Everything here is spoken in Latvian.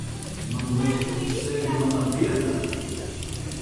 -man liekas, tu sēdi manā vietā!